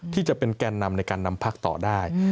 ที่จะเป็นแกนนำในการนำพักต่อได้